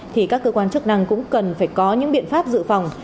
thì các cơ quan chức năng cũng cần phải có những biện pháp dự phòng